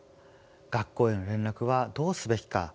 学校への連絡はどうすべきか。